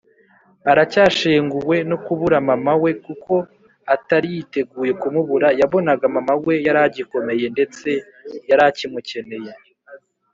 Aracyashenguwe nokubura mama we kuko Atari yiteguye kumubura yabonaga mama we yaragikomeye ndetse yarakimukeneye.